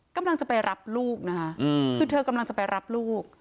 กำลังจะไปรับลูกนะคะคือเธอกำลังจะไปรับลูก